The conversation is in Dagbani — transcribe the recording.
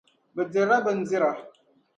Bɛ dirila bindira.